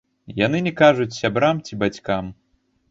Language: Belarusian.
Яны не кажуць сябрам ці бацькам.